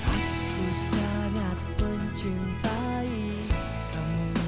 aku sangat mencintai kamu